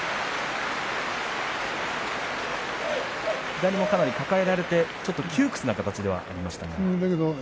左もかなり抱えられてちょっと窮屈な形ではありましたが。